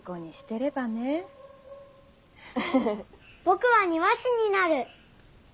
ぼくは「庭師」になる。